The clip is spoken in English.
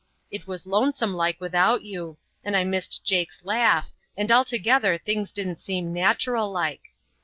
It was lonesome like without you, and I missed Jake's laugh, and altogether things didn't seem natural like.